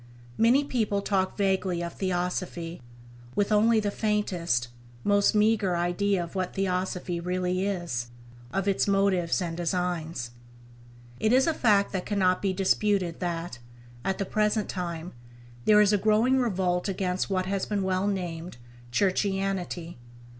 Many people talk vaguely of Theosophy, with only the faintest, most meagre idea of what Theosophy really is, of its motives and designs. It is a fact that cannot be disputed that, at the present time, there is a growing revolt against what has been well named "Churchianity."